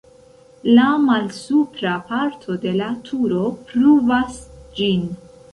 La malsupra parto de la turo pruvas ĝin.